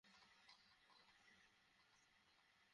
Team সতর্ক থেকো।